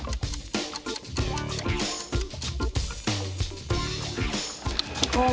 โอเหมือนซัลลี